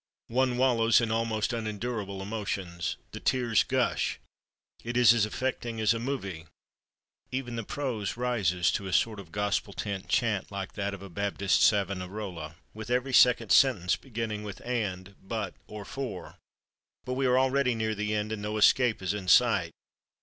One wallows in almost unendurable emotions. The tears gush. It is as affecting as a movie. Even the prose rises to a sort of gospel tent chant, like that of a Baptist Savonarola, with every second sentence beginning with and, but or for.... But we are already near the end, and no escape is in sight.